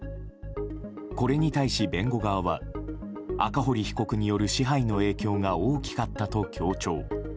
これに対し、弁護側は赤堀被告による支配の影響が大きかったと強調。